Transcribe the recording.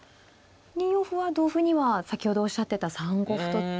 ２四歩は同歩には先ほどおっしゃってた３五歩と突い。